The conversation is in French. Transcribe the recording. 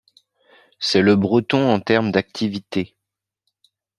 C'est le breton en termes d'activités.